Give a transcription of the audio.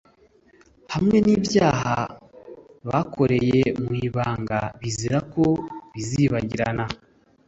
hamwe n'ibyaha bakoreye mu ibanga bizera ko bizibagirana